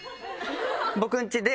僕ん家で。